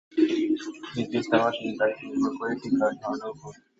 তৃতীয় ডোজ দেয়ার দিন-তারিখ নির্ভর করে টিকার ধরনের উপর।